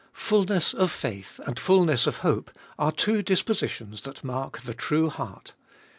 1. Fulness of faith and fulness of hope are two dispositions that mark the true heart.